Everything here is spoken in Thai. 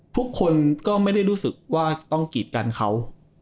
ทุกคนก็ไม่ได้รู้สึกว่าต้องกีดกันเขา